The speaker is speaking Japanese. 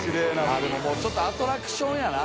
森田）でももうちょっとアトラクションやな。